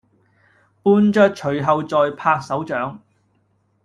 伴著隨後在拍手掌